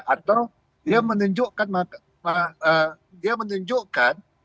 atau dia menunjukkan